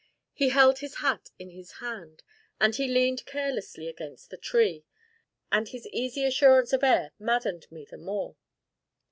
He held his hat in his hand, and he leaned carelessly against the tree, and his easy assurance of air maddened me the more.